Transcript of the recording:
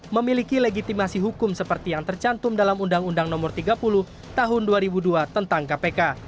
memiliki legitimasi hukum seperti yang tercantum dalam undang undang no tiga puluh tahun dua ribu dua tentang kpk